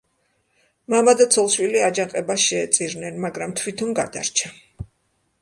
მამა და ცოლ-შვილი აჯანყებას შეეწირნენ, მაგრამ თვითონ გადარჩა.